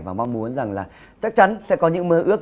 và mong muốn rằng là chắc chắn sẽ có những mơ ước